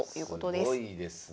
すごいですね。